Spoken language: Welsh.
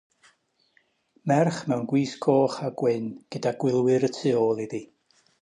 Merch mewn gwisg goch a gwyn gyda gwylwyr y tu ôl iddi